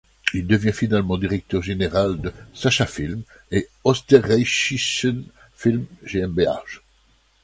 Il devient finalement directeur général de Sascha-Film et aussi d'Österreichischen Film-Gmbh.